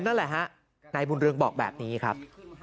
นั่นแหละฮะนายบุญเรืองบอกแบบนี้ครับ